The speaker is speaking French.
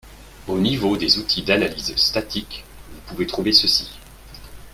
Au niveau des outils d'analyse statique, vous pouvez trouver ceci